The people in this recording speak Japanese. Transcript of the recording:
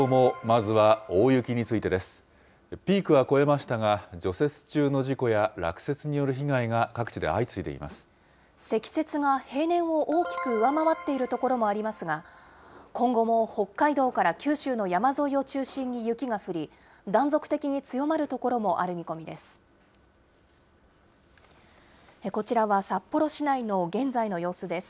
積雪が平年を大きく上回っている所もありますが、今後も北海道から九州の山沿いを中心に雪が降り、断続的に強まる所もある見込みです。